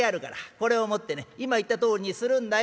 これを持ってね今言ったとおりにするんだよ。